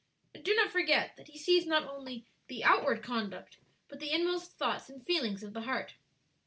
"And do not forget that He sees not only the outward conduct but the inmost thoughts and feelings of the heart."